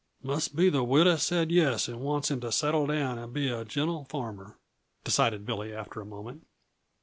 "Must be the widow said yes and wants him to settle down and be a gentle farmer," decided Billy after a moment.